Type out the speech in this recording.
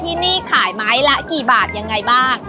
ที่นี่ขายไม้ละกี่บาทยังไงบ้าง